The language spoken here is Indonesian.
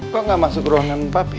kok nggak masuk ruangan papi